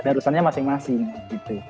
tanda arusannya masing masing gitu